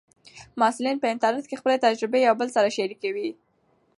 محصلین په انټرنیټ کې خپلې تجربې یو بل سره شریکوي.